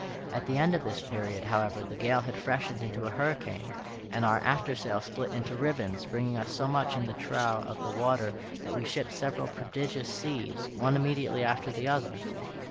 At the end of this period, however, the gale had freshened into a hurricane, and our after sail split into ribbons, bringing us so much in the trough of the water that we shipped several prodigious seas, one immediately after the other.